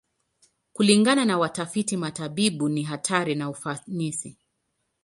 Kulingana na watafiti matibabu, ni hatari na ufanisi.